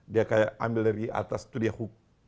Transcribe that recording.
dia kayak ambil dari atas tuh dia hook